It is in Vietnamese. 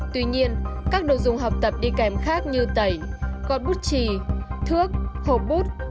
tuy nhiên các đồ dùng học tập đi kèm khác như tẩy gót bút chì thước hộp bút